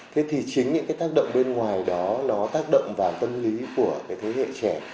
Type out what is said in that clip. thế thì chính những cái tác động bên ngoài đó nó tác động vào tâm lý của cái thế hệ trẻ